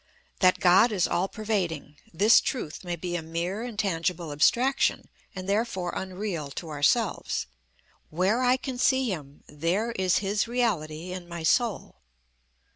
That God is all pervading, this truth may be a mere intangible abstraction, and therefore unreal to ourselves. Where I can see Him, there is His reality in my soul.